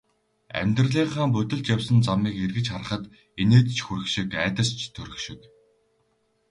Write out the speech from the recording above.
Амьдралынхаа будилж явсан замыг эргэж харахад инээд ч хүрэх шиг, айдас ч төрөх шиг.